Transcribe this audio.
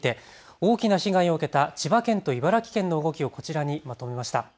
大きな被害を受けた千葉県と茨城県の動きをこちらにまとめました。